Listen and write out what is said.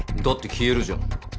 だって消えるじゃん。